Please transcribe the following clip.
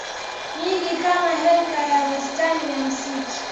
nyingi kama hekta ya wastani ya msitu